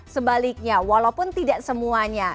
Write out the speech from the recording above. sebaliknya walaupun tidak semuanya